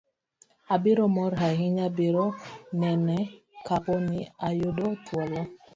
abiro mor ahinya biro nene kapo ni ayudo thuolo